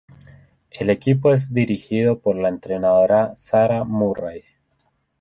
El equipo es dirigido por la entrenadora Sarah Murray.